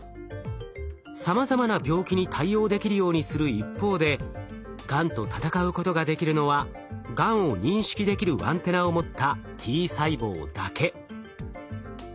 さまざまな病気に対応できるようにする一方でがんと闘うことができるのはがんを認識できるアンテナを持ったＴ細胞だけ。